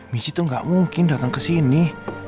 michi tuh gak mungkin datang kesini